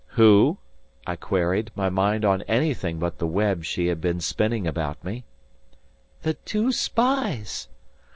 "Who?" I queried, my mind on anything but the web she had been spinning about me. "The two spies!"